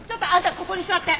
ここに座って！